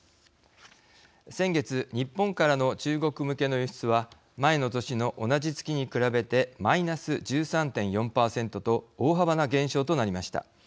先月、日本からの中国向けの輸出は前の年の同じ月に比べてマイナス１３．４％と大幅な減少となりました。